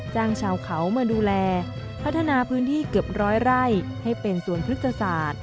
ชาวเขามาดูแลพัฒนาพื้นที่เกือบร้อยไร่ให้เป็นสวนพฤกษศาสตร์